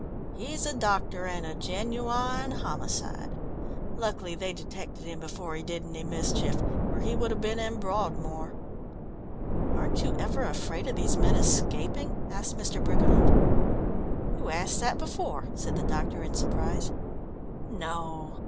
"He's a doctor and a genuine homicide. Luckily they detected him before he did any mischief or he would have been in Broadmoor." "Aren't you ever afraid of these men escaping?" asked Mr. Briggerland. "You asked that before," said the doctor in surprise. "No.